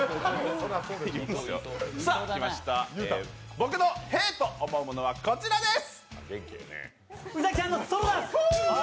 僕のへぇと思うものはこちらです。